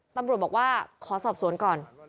ตำรวจบอกว่าขอสอบสวนก่อน